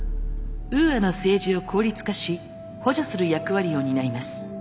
ウーアの政治を効率化し補助する役割を担います。